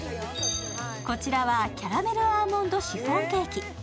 こちらはキャラメルアーモンドシフォンケーキ。